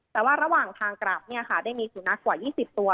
แต่ว่าระหว่างทางกลับได้มีสุนัขกว่า๒๐ตัว